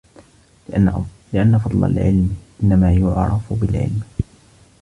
لِأَنَّ فَضْلَ الْعِلْمِ إنَّمَا يُعْرَفُ بِالْعِلْمِ